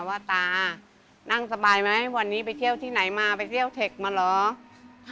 ว่าตานั่งสบายไหมวันนี้ไปเที่ยวที่ไหนมาไปเที่ยวเทคมาเหรอ